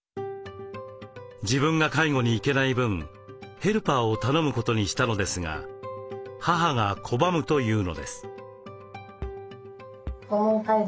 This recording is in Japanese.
自分が介護に行けない分ヘルパーを頼むことにしたのですが母が拒むというのです。